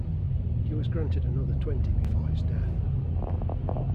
He was granted another twenty before his death.